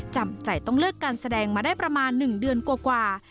จำใจต้องเลิกการแสดงมาได้ประมาณ๑เดือนกว่า